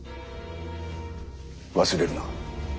忘れるな。